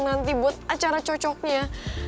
nanti buat acara cocoknya